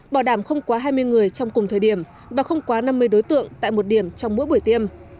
bảo đảm không quá hai mươi người trong cùng thời điểm và không quá năm mươi đối tượng tại một điểm trong mỗi buổi tiêm